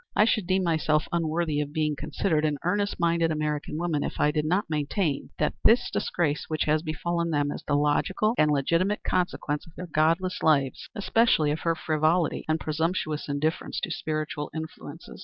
I should deem myself unworthy of being considered an earnest minded American woman if I did not maintain that this disgrace which has befallen them is the logical and legitimate consequence of their godless lives especially of her frivolity and presumptuous indifference to spiritual influences.